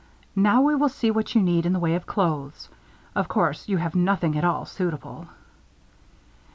"Now we will see what you need in the way of clothes. Of course you have nothing at all suitable."